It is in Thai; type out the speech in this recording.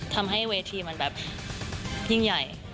ทำให้เวทีมันแบบยิ่งใหญ่